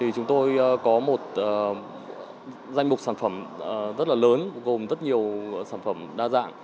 chúng tôi có một danh mục sản phẩm rất là lớn gồm rất nhiều sản phẩm đa dạng